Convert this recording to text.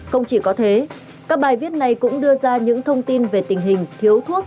không chỉ có thế các bài viết này cũng đưa ra những thông tin về tình hình thiếu thuốc